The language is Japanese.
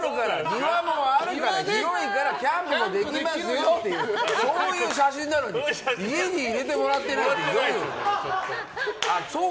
庭もあるから広いからキャンプもできますよっていうそういう写真だろうに家に入れてもらってないってどういう。